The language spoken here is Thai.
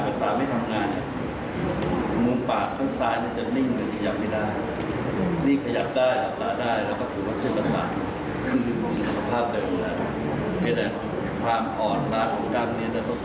ก็ต้องเตรียมภาพของน้องกาย